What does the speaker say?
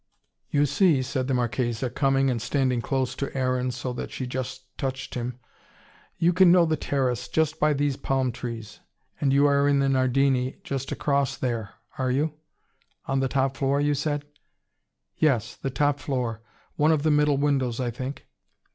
"You see," said the Marchesa, coming and standing close to Aaron, so that she just touched him, "you can know the terrace, just by these palm trees. And you are in the Nardini just across there, are you? On the top floor, you said?" "Yes, the top floor one of the middle windows, I think."